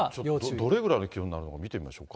どれぐらいの気温になるのか見てみましょうか。